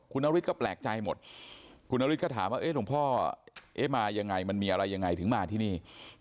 คุณนฤทธิก็แปลกใจหมดคุณนฤทธิ์ถามว่าหลวงพ่อมายังไงมันมีอะไรยังไงถึงมาที่นี่